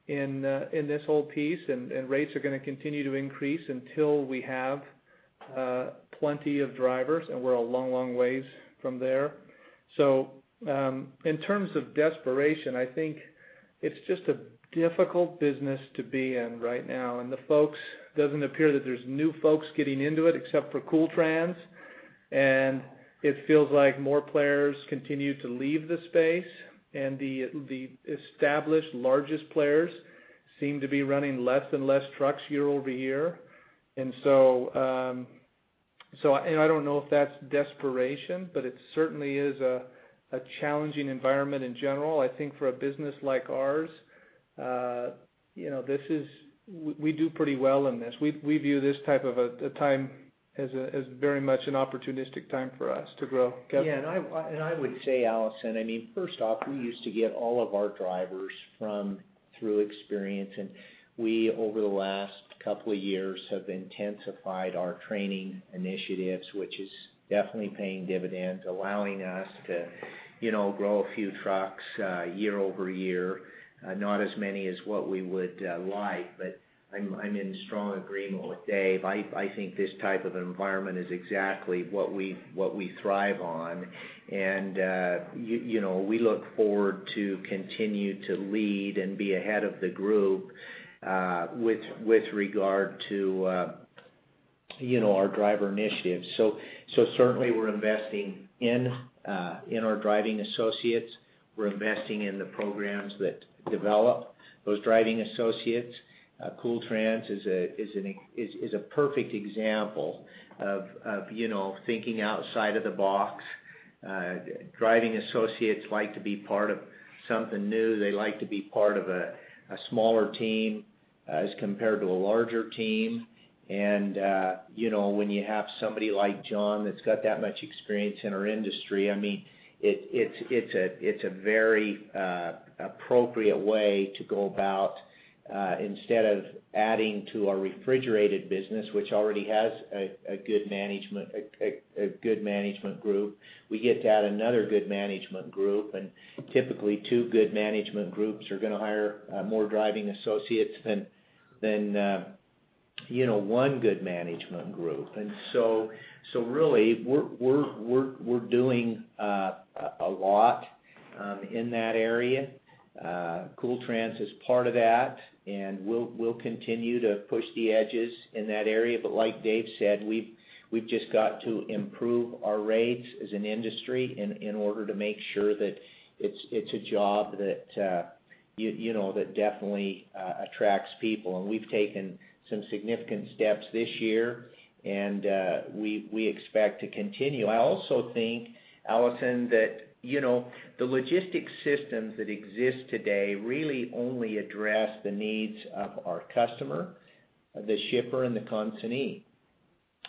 in this whole piece, and rates are going to continue to increase until we have plenty of drivers, and we're a long, long ways from there. So, in terms of desperation, I think it's just a difficult business to be in right now, and the folks, doesn't appear that there's new folks getting into it, except for Kool Trans. And it feels like more players continue to leave the space, and the established largest players seem to be running less and less trucks year-over-year. And so, so I, and I don't know if that's desperation, but it certainly is a challenging environment in general. I think for a business like ours, you know, this is... We do pretty well in this. We view this type of a time as very much an opportunistic time for us to grow. Kevin? Yeah, I would say, Allison, I mean, first off, we used to get all of our drivers from through experience, and we, over the last couple of years, have intensified our training initiatives, which is definitely paying dividends, allowing us to, you know, grow a few trucks year over year. Not as many as what we would like, but I'm in strong agreement with Dave. I think this type of environment is exactly what we thrive on. And, you know, we look forward to continue to lead and be ahead of the group with regard to, you know, our driver initiatives. So certainly we're investing in our driving associates. We're investing in the programs that develop those driving associates. Kool Trans is a perfect example of, you know, thinking outside of the box. Driving associates like to be part of something new. They like to be part of a smaller team as compared to a larger team. And, you know, when you have somebody like Jon that's got that much experience in our industry, I mean, it's a very appropriate way to go about instead of adding to our refrigerated business, which already has a good management group, we get to add another good management group. And typically, two good management groups are going to hire more driving associates than one good management group. And so really, we're doing a lot in that area. Kool Trans is part of that, and we'll continue to push the edges in that area. But like Dave said, we've just got to improve our rates as an industry in order to make sure that it's a job that you know that definitely attracts people. And we've taken some significant steps this year, and we expect to continue. I also think, Allison, that you know the logistics systems that exist today really only address the needs of our customer, the shipper, and the consignee.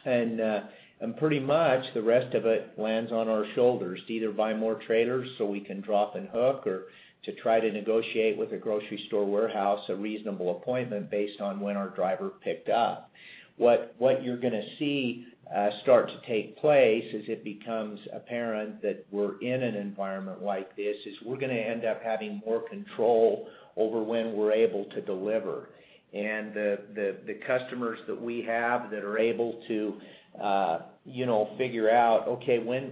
And pretty much the rest of it lands on our shoulders to either buy more trailers so we can drop and hook, or to try to negotiate with a grocery store warehouse a reasonable appointment based on when our driver picked up. What you're going to see start to take place as it becomes apparent that we're in an environment like this is we're going to end up having more control over when we're able to deliver. The customers that we have that are able to you know figure out okay when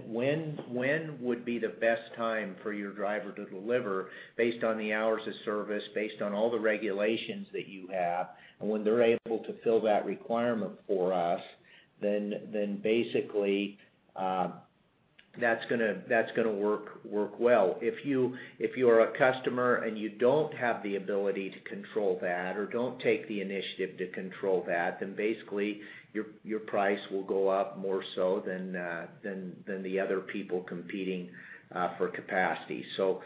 would be the best time for your driver to deliver based on the hours of service based on all the regulations that you have and when they're able to fill that requirement for us then basically that's gonna work well. If you are a customer and you don't have the ability to control that or don't take the initiative to control that then basically your price will go up more so than the other people competing for capacity. So,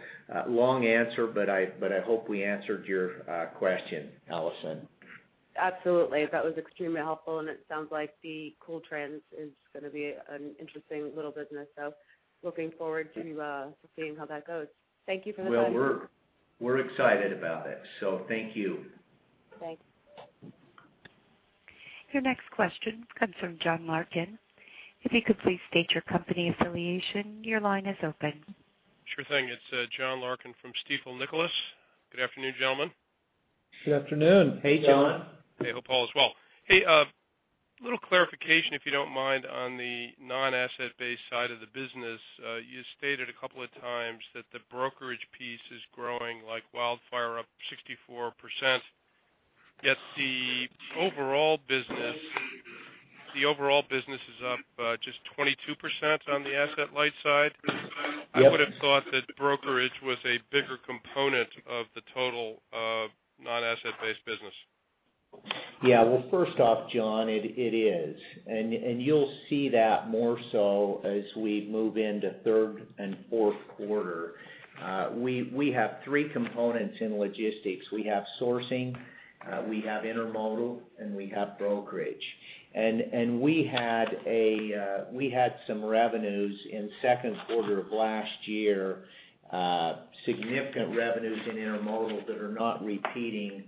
long answer, but I, but I hope we answered your question, Allison.... Absolutely, that was extremely helpful, and it sounds like the Kool Trans is going to be an interesting little business. So looking forward to, to seeing how that goes. Thank you for the time. Well, we're excited about it, so thank you. Thanks. Your next question comes from John Larkin. If you could please state your company affiliation, your line is open. Sure thing. It's, John Larkin from Stifel Nicolaus. Good afternoon, gentlemen. Good afternoon. Good afternoon. Hey, John. Hey, all, as well. Hey, a little clarification, if you don't mind, on the non-asset-based side of the business. You stated a couple of times that the brokerage piece is growing like wildfire, up 64%. Yet the overall business, the overall business is up, just 22% on the asset-light side? Yep. I would have thought that brokerage was a bigger component of the total, non-asset-based business. Yeah. Well, first off, John, it is. And you'll see that more so as we move into third and fourth quarter. We have three components in logistics. We have sourcing, we have intermodal, and we have brokerage. And we had some revenues in second quarter of last year, significant revenues in intermodal that are not repeating,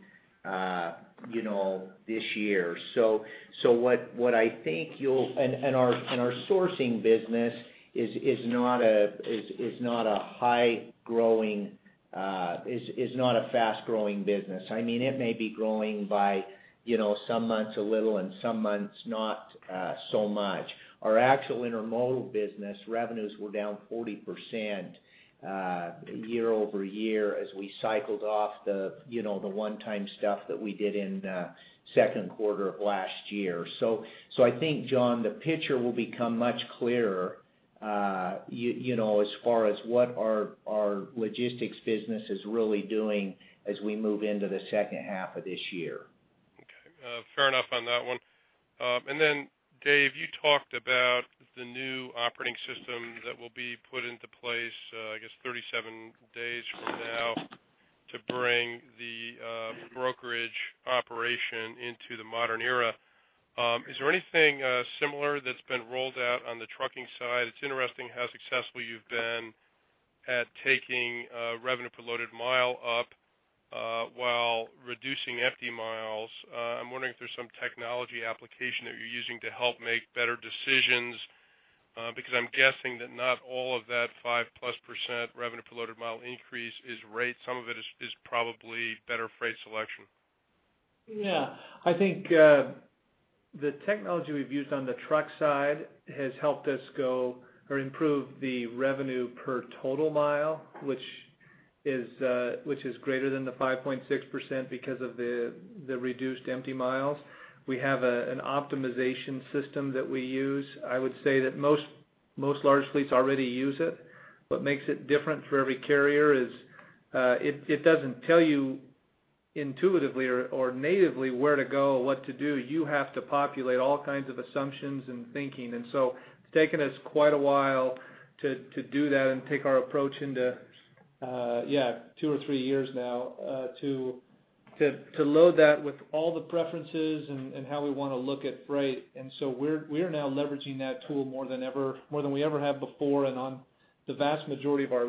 you know, this year. So what I think you'll - and our sourcing business is not a fast-growing business. I mean, it may be growing by, you know, some months a little and some months not so much. Our actual intermodal business revenues were down 40% year-over-year as we cycled off the, you know, the one-time stuff that we did in second quarter of last year. So, so I think, John, the picture will become much clearer, you know, as far as what our, our logistics business is really doing as we move into the second half of this year. Okay, fair enough on that one. And then, Dave, you talked about the new operating system that will be put into place, I guess 37 days from now, to bring the brokerage operation into the modern era. Is there anything similar that's been rolled out on the trucking side? It's interesting how successful you've been at taking revenue per loaded mile up while reducing empty miles. I'm wondering if there's some technology application that you're using to help make better decisions because I'm guessing that not all of that 5%+ revenue per loaded mile increase is rate. Some of it is probably better freight selection. Yeah. I think, the technology we've used on the truck side has helped us go or improve the revenue per total mile, which is, which is greater than the 5.6% because of the reduced empty miles. We have an optimization system that we use. I would say that most large fleets already use it. What makes it different for every carrier is, it doesn't tell you intuitively or natively where to go, what to do. You have to populate all kinds of assumptions and thinking. And so it's taken us quite a while to do that and take our approach into, yeah, 2 or 3 years now, to load that with all the preferences and how we want to look at freight. And so we are now leveraging that tool more than ever, more than we ever have before, and on the vast majority of our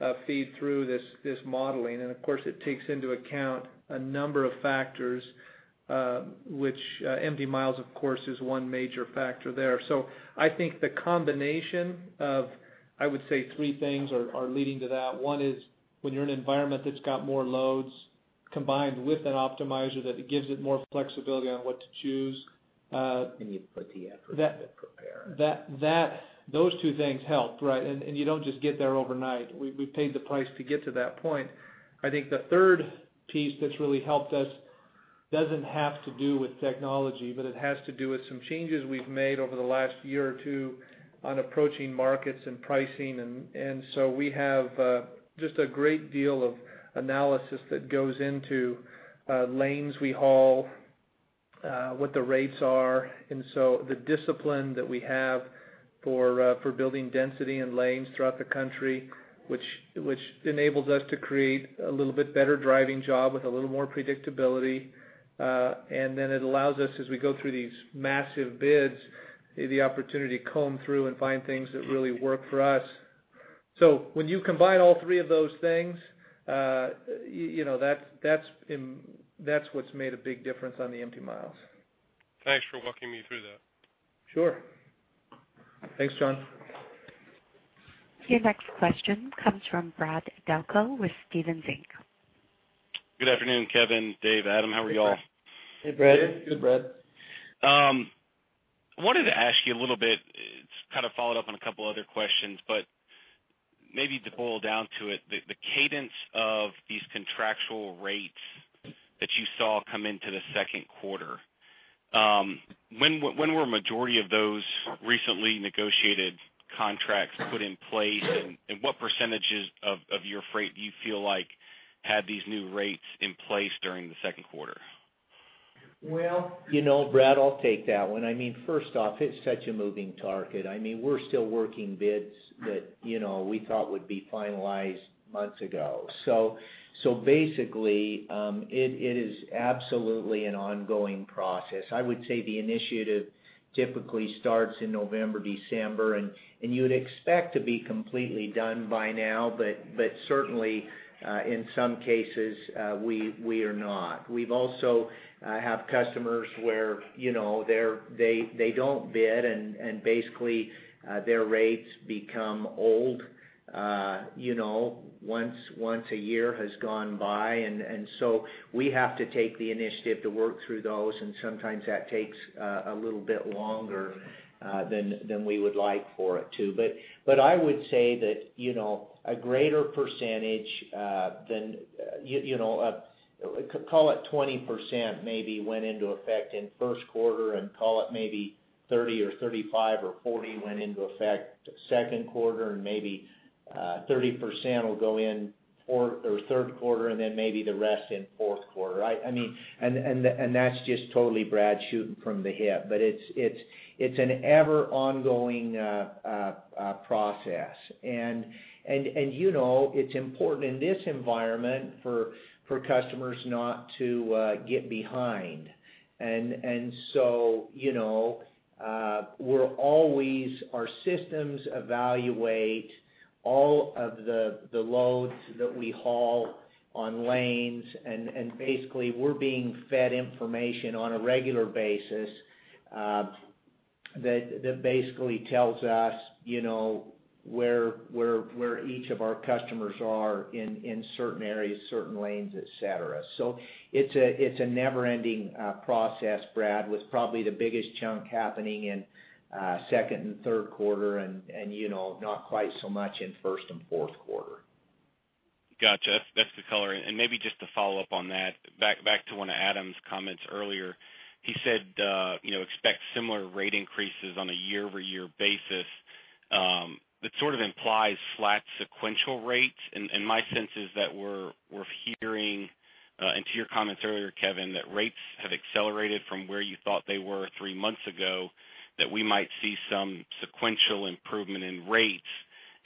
loads, feed through this, this modeling. And of course, it takes into account a number of factors, which, empty miles, of course, is one major factor there. So I think the combination of, I would say, three things are, are leading to that. One is, when you're in an environment that's got more loads, combined with an optimizer, that it gives it more flexibility on what to choose. You put the effort to prepare. That, that—those two things help, right? And you don't just get there overnight. We've paid the price to get to that point. I think the third piece that's really helped us doesn't have to do with technology, but it has to do with some changes we've made over the last year or two on approaching markets and pricing. And so we have just a great deal of analysis that goes into lanes we haul, what the rates are. And so the discipline that we have for building density and lanes throughout the country, which enables us to create a little bit better driving job with a little more predictability, and then it allows us, as we go through these massive bids, the opportunity to comb through and find things that really work for us. So when you combine all three of those things, you know, that's what's made a big difference on the empty miles. Thanks for walking me through that. Sure. Thanks, John. Your next question comes from Brad Delco with Stephens Inc. Good afternoon, Kevin, Dave, Adam. How are you all? Hey, Brad. Hey, Brad. Good, Brad. I wanted to ask you a little bit, just kind of follow up on a couple other questions, but maybe to boil down to it, the cadence of these contractual rates that you saw come into the second quarter, when were majority of those recently negotiated contracts put in place? And what percentages of your freight do you feel like had these new rates in place during the second quarter? Well, you know, Brad, I'll take that one. I mean, first off, it's such a moving target. I mean, we're still working bids that, you know, we thought would be finalized months ago. So basically, it is absolutely an ongoing process. I would say the initiative typically starts in November, December, and you would expect to be completely done by now, but certainly, in some cases, we are not. We've also have customers where, you know, they're they don't bid, and basically, their rates become old, you know, once a year has gone by. And so we have to take the initiative to work through those, and sometimes that takes a little bit longer than we would like for it to. But I would say that, you know, a greater percentage than you know call it 20% maybe went into effect in first quarter, and call it maybe 30 or 35 or 40 went into effect second quarter, and maybe 30% will go in third or fourth quarter, and then maybe the rest in fourth quarter. I mean and that's just totally, Brad, shooting from the hip, but it's an ever ongoing process. And you know it's important in this environment for customers not to get behind. And so, you know, we're always, our systems evaluate all of the loads that we haul on lanes, and basically, we're being fed information on a regular basis, that basically tells us, you know, where each of our customers are in certain areas, certain lanes, et cetera. So it's a never-ending process, Brad, with probably the biggest chunk happening in second and third quarter, and you know, not quite so much in first and fourth quarter. Gotcha. That's the color. And maybe just to follow up on that, back to one of Adam's comments earlier. He said, you know, expect similar rate increases on a year-over-year basis. It sort of implies flat sequential rates, and my sense is that we're hearing, and to your comments earlier, Kevin, that rates have accelerated from where you thought they were three months ago, that we might see some sequential improvement in rates.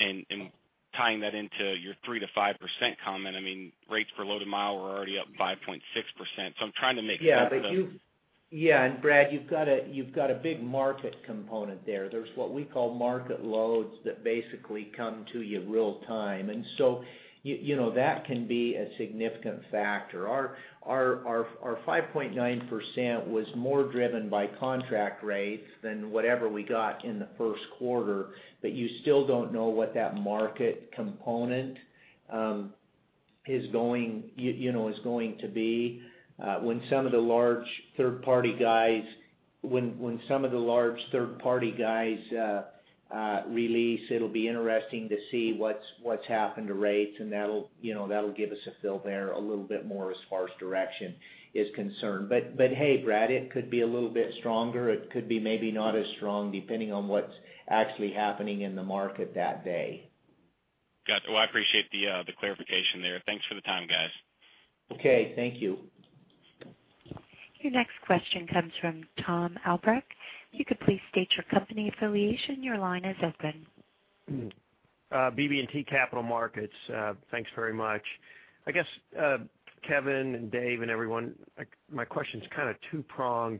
And tying that into your 3%-5% comment, I mean, rates per loaded mile were already up 5.6%. So I'm trying to make sense of- Yeah, but you... Yeah, and Brad, you've got a, you've got a big market component there. There's what we call market loads that basically come to you real time, and so you know, that can be a significant factor. Our five point nine percent was more driven by contract rates than whatever we got in the first quarter, but you still don't know what that market component is going, you know, is going to be. When some of the large third-party guys release, it'll be interesting to see what's happened to rates, and that'll, you know, that'll give us a feel there a little bit more as far as direction is concerned. But, hey, Brad, it could be a little bit stronger. It could be maybe not as strong, depending on what's actually happening in the market that day. Got it. Well, I appreciate the, the clarification there. Thanks for the time, guys. Okay. Thank you. Your next question comes from Tom Albrecht. Would you please state your company affiliation. Your line is open. BB&T Capital Markets. Thanks very much. I guess, Kevin and Dave and everyone, like, my question is kind of two-pronged.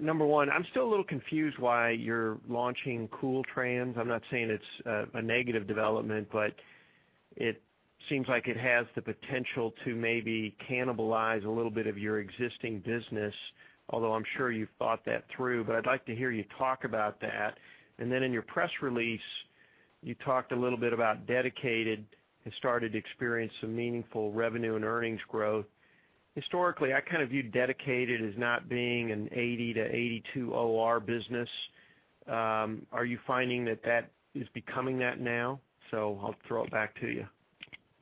Number one, I'm still a little confused why you're launching Kool Trans. I'm not saying it's a negative development, but it seems like it has the potential to maybe cannibalize a little bit of your existing business, although I'm sure you've thought that through. But I'd like to hear you talk about that. And then in your press release, you talked a little bit about Dedicated, has started to experience some meaningful revenue and earnings growth. Historically, I kind of viewed Dedicated as not being an 80-82 OR business. Are you finding that that is becoming that now? I'll throw it back to you.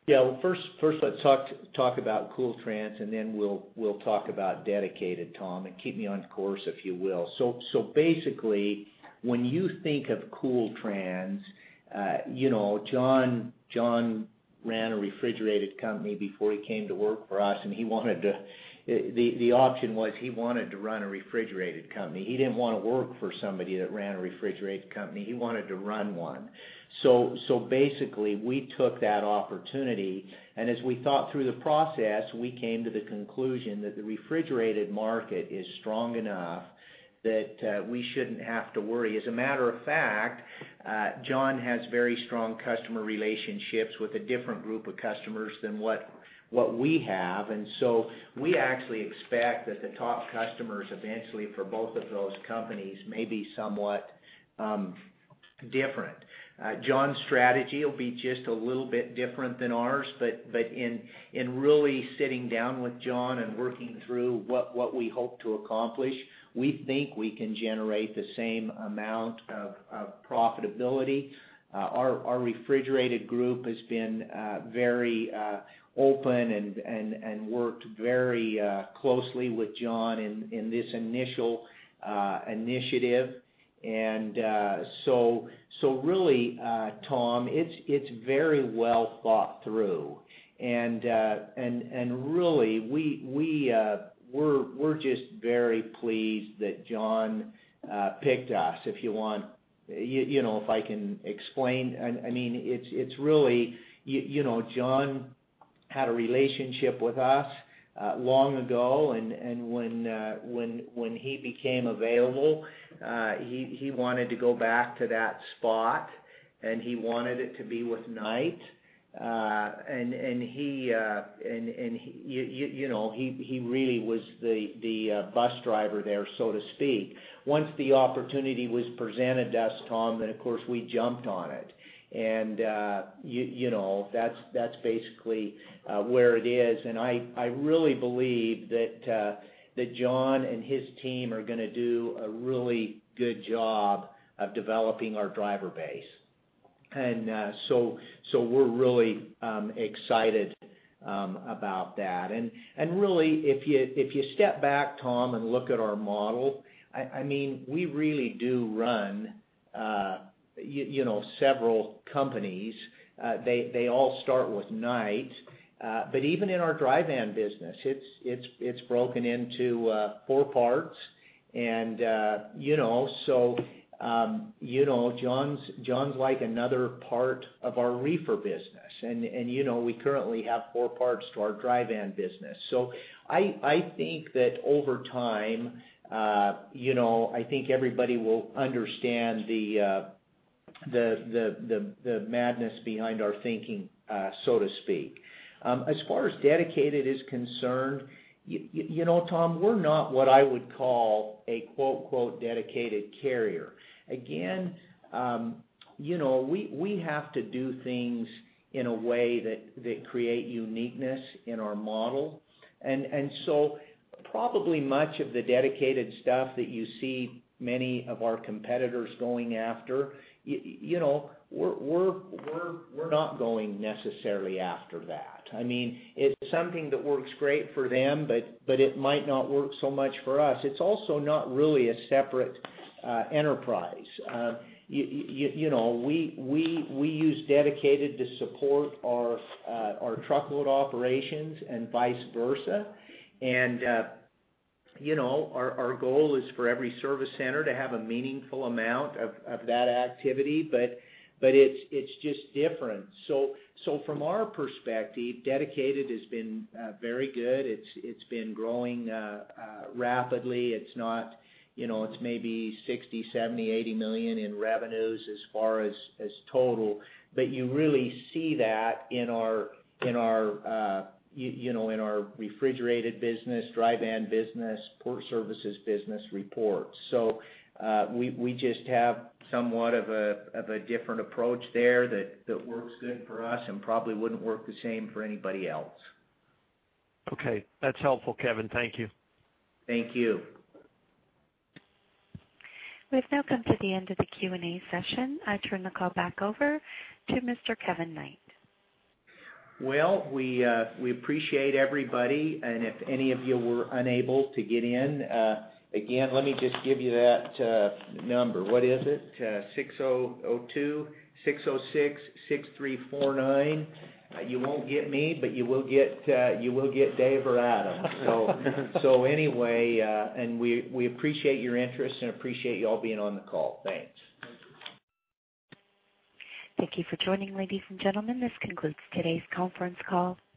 Yeah. Well, first, let's talk about Kool Trans, and then we'll talk about Dedicated, Tom, and keep me on course, if you will. So basically, when you think of Kool Trans, you know, Jon ran a refrigerated company before he came to work for us, and he wanted to... The option was he wanted to run a refrigerated company. He didn't want to work for somebody that ran a refrigerated company. He wanted to run one. So basically, we took that opportunity, and as we thought through the process, we came to the conclusion that the refrigerated market is strong enough that we shouldn't have to worry. As a matter of fact, Jon has very strong customer relationships with a different group of customers than what we have, and so we actually expect that the top customers, eventually, for both of those companies, may be somewhat different. Jon's strategy will be just a little bit different than ours, but in really sitting down with Jon and working through what we hope to accomplish, we think we can generate the same amount of profitability. Our refrigerated group has been very open and worked very closely with Jon in this initial initiative. Really, we're just very pleased that Jon picked us, if you want-... You know, if I can explain, I mean, it's really you know, Jon had a relationship with us long ago, and when he became available, he wanted to go back to that spot, and he wanted it to be with Knight. And you know, he really was the bus driver there, so to speak. Once the opportunity was presented to us, Tom, then, of course, we jumped on it. And you know, that's basically where it is. And I really believe that Jon and his team are gonna do a really good job of developing our driver base. And so we're really excited about that. And really, if you step back, Tom, and look at our model, I mean, we really do run, you know, several companies. They all start with Knight, but even in our dry van business, it's broken into four parts. And you know, so you know, Jon's like another part of our reefer business. And you know, we currently have four parts to our dry van business. So I think that over time, you know, I think everybody will understand the madness behind our thinking, so to speak. As far as dedicated is concerned, you know, Tom, we're not what I would call a quote unquote "dedicated carrier." Again, you know, we have to do things in a way that create uniqueness in our model. And so probably much of the dedicated stuff that you see many of our competitors going after, you know, we're not going necessarily after that. I mean, it's something that works great for them, but it might not work so much for us. It's also not really a separate enterprise. You know, we use dedicated to support our truckload operations and vice versa. And you know, our goal is for every service center to have a meaningful amount of that activity, but it's just different. So from our perspective, dedicated has been very good. It's been growing rapidly. It's not, you know, it's maybe $60-$80 million in revenues as far as total. But you really see that in our, in our, you know, in our refrigerated business, dry van business, port services business reports. So we just have somewhat of a different approach there that works good for us and probably wouldn't work the same for anybody else. Okay. That's helpful, Kevin. Thank you. Thank you. We've now come to the end of the Q&A session. I turn the call back over to Mr. Kevin Knight. Well, we appreciate everybody, and if any of you were unable to get in, again, let me just give you that number. What is it? 602-606-6349. You won't get me, but you will get Dave or Adam. So anyway, and we appreciate your interest and appreciate you all being on the call. Thanks. Thank you for joining, ladies and gentlemen. This concludes today's conference call. You may-